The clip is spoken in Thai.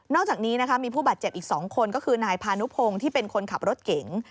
อกจากนี้นะคะมีผู้บาดเจ็บอีก๒คนก็คือนายพานุพงศ์ที่เป็นคนขับรถเก๋ง